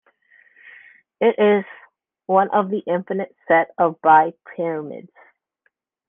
It is one of an infinite set of bipyramids.